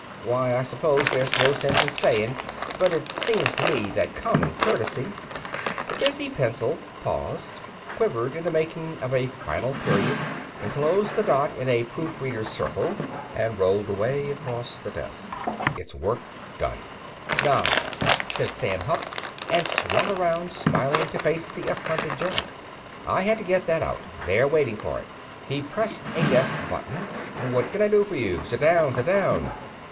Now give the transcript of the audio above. " why I suppose there's no sense in staying; but it seems to me that common courtesy " The busy pencil paused, quivered in the making of a final period, enclosed the dot in a proofreader's circle, and rolled away across the desk, its work done. "Now," said Sam Hupp, and swung around, smiling, to face the affronted Jock. "I had to get that out. They're waiting for it." He pressed a desk button. "What can I do for you? Sit down, sit down."